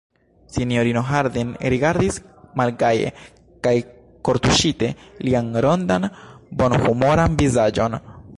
Sinjorino Harding rigardis malgaje kaj kortuŝite lian rondan, bonhumoran vizaĝon.